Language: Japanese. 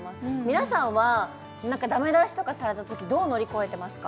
皆さんは何か駄目出しとかされたときどう乗り越えてますか？